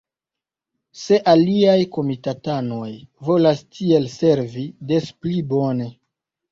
Se aliaj komitatanoj volas tiel servi, despli bone.